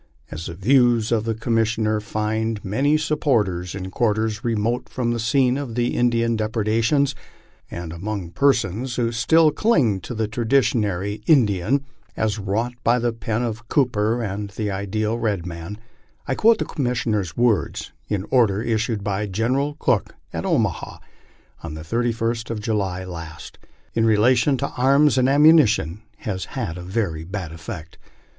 As the views of the Commissioner find many supporters in quarters remote from the scene of Indian depredations, and among persons who still cling to the traditionary Indian, as wrought by the pen of Cooper, as tfieir ideal red man, I quote the Commissioner's words :" An order issued by General Cooke at Omaha on the 31st of July last, in relation to arms and am munition, has had a very bad effect.